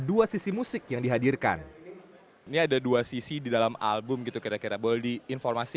dua sisi musik yang dihadirkan ini ada dua sisi di dalam album gitu kira kira boleh diinformasi